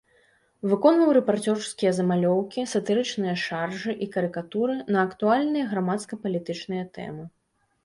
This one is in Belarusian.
Выконваў рэпарцёрскія замалёўкі, сатырычныя шаржы і карыкатуры на актуальныя грамадска-палітычныя тэмы.